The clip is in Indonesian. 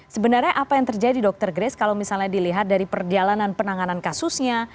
sebenarnya apa yang terjadi dr grace kalau misalnya dilihat dari perjalanan penanganan kasusnya